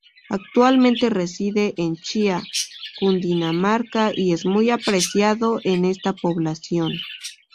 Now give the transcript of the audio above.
Actualmente reside en Chia, Cundinamarca y es muy apreciado en esta población.